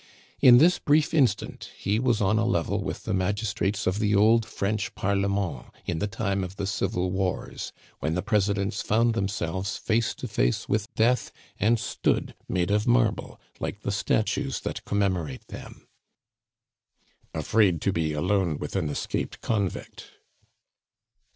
In this brief instant he was on a level with the magistrates of the old French Parlement in the time of the civil wars, when the presidents found themselves face to face with death, and stood, made of marble, like the statues that commemorate them. "Afraid to be alone with an escaped convict!"